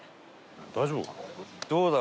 大丈夫かな？